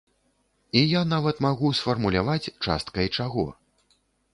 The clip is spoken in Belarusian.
І я нават магу сфармуляваць, часткай чаго.